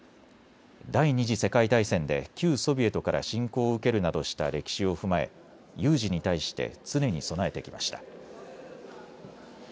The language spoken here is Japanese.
第２次世界大戦で旧ソビエトから侵攻を受けるなどした歴史を踏まえ、有事に対して常に備えてきました。